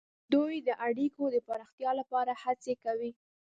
دوی د اړیکو د پراختیا لپاره هڅې کوي